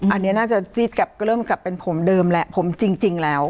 อันนี้น่าจะซีดกลับก็เริ่มกลับเป็นผมเดิมแหละผมจริงแล้ว